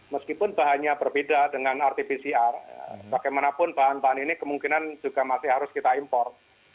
meskipun bahannya berbeda dengan rt pcr bagaimanapun bahan bahan ini kemungkinan juga masih harus kita impor